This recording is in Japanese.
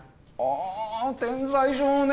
あ天才少年。